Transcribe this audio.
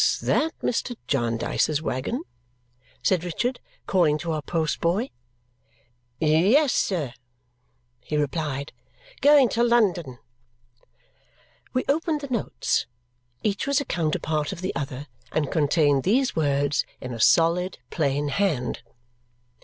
"Is that Mr. Jarndyce's waggon?" said Richard, calling to our post boy. "Yes, sir," he replied. "Going to London." We opened the notes. Each was a counterpart of the other and contained these words in a solid, plain hand.